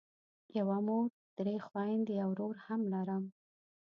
یوه مور درې خویندې او ورور هم لرم.